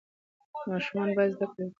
ماشومان باید زده کړه وکړي.